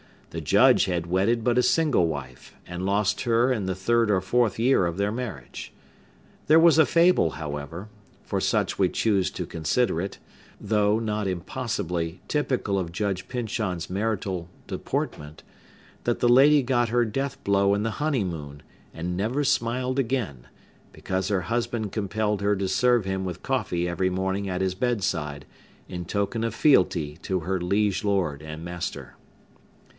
The Judge had wedded but a single wife, and lost her in the third or fourth year of their marriage. There was a fable, however,—for such we choose to consider it, though, not impossibly, typical of Judge Pyncheon's marital deportment,—that the lady got her death blow in the honeymoon, and never smiled again, because her husband compelled her to serve him with coffee every morning at his bedside, in token of fealty to her liege lord and master.